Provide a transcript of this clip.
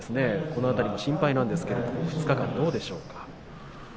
この辺りは心配なんですが２日間どうでしょうか。